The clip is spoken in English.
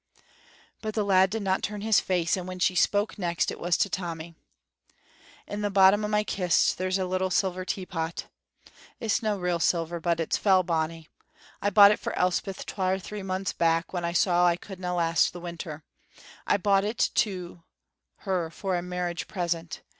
But the lad did not turn his face, and when she spoke next it was to Tommy. "In the bottom o' my kist there's a little silver teapot. It's no' real silver, but it's fell bonny. I bought it for Elspeth twa or three months back when I saw I couldna last the winter. I bought it to her for a marriage present.